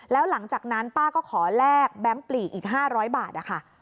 แล้วหลังจากนั้นป้าก็ขอแลกแบงค์ปลีอีกห้าร้อยบาทอ่ะค่ะ